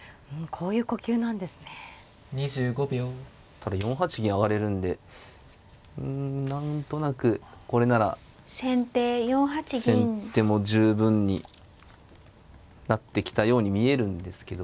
ただ４八銀上がれるんでうん何となくこれなら先手も十分になってきたように見えるんですけど。